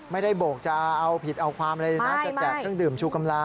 ไม่ได้โบกจ๊ะเอาผิดเอาความอะไรนะใช่ค่ะ